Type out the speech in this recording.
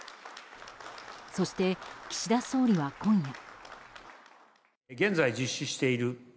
そして、岸田総理は今夜。